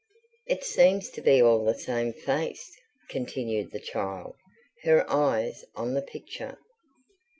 "It seems to be all the same face," continued the child, her eyes on the picture.